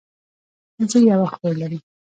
زه یوه خور لرم